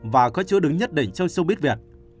và có chứa đứng nhất định trong showbiz việt